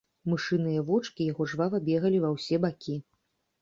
Мышыныя вочкі яго жвава бегалі ва ўсе бакі.